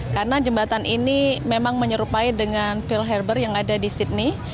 karena jembatan ini memang menyerupai dengan pearl harbor yang ada di sydney